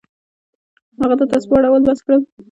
هغه د تسبو اړول بس کړل.